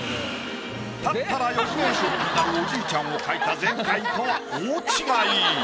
立ったら４メートルになるおじいちゃんを描いた前回とは大違い。